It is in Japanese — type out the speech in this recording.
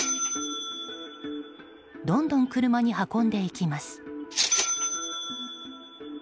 どんどん車に運んでいきます。